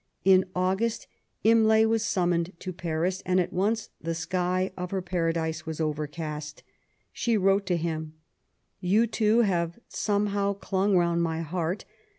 In August Imlay was summoned to Paris, and at once the sky of her paradise was overcast. She wrote to him, — Ton too haye somehow clung round my heart.